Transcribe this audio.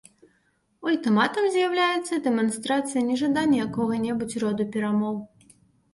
Ультыматум з'яўляецца дэманстрацыяй нежадання якога-небудзь роду перамоў.